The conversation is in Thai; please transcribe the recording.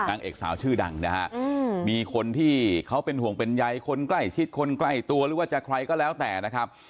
นางเอกสาวชื่อดังนะฮะมีคนที่เขาเป็นห่วงเป็นใยคนใกล้ชิดคนใกล้ตัวหรือว่าจะใครก็แล้วแต่นะครับ